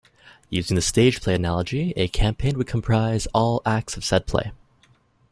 Using the stage play analogy, a campaign would comprise all acts of said play.